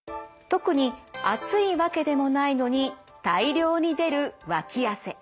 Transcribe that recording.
特に暑いわけでもないのに大量に出るわき汗。